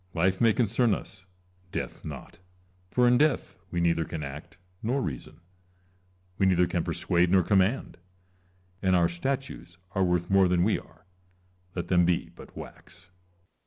Life may concern us, death not ; for in death we neither can act nor reason, we neither can persuade nor command ; and our statues are worth more than we are, let them be but wax.